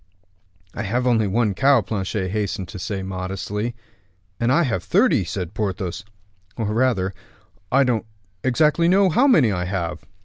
"I have only one cow," Planchet hastened to say modestly. "And I have thirty," said Porthos; "or rather, I don't exactly know how many I have."